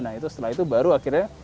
nah itu setelah itu baru akhirnya